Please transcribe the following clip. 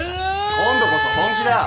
今度こそ本気だ！